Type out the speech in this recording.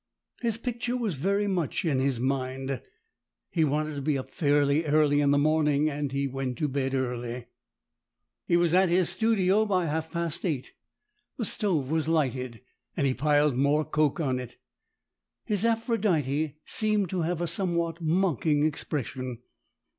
His picture was very much in his mind. He wanted to be up fairly early in the morning, and he went to bed early. He was at his studio by half past eight. The stove was lighted, and he piled more coke on it. His " Aphrodite " seemed to have a somewhat mocking expression.